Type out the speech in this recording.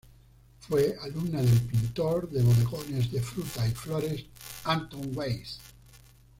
Fue alumna del pintor de bodegones de fruta y flores Anton Weiss.